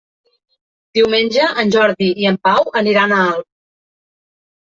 Diumenge en Jordi i en Pau aniran a Alp.